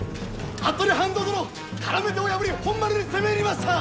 服部半蔵殿からめ手を破り本丸に攻め入りました！